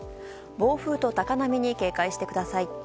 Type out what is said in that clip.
暴風と高波に警戒してください。